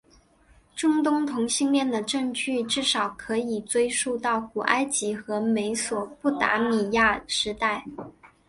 中东同性恋的证据至少可以追溯到古埃及和美索不达米亚时代。